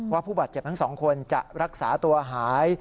ผู้บาดเจ็บทั้งสองคนจะรักษาตัวหาย